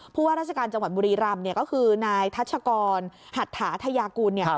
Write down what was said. ผู้ว่าราชการจังหวัดบุรีรำคือทัชกรฮัตถาธยากุล